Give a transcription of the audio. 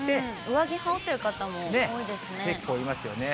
上着羽織っている方も多いで結構いますよね。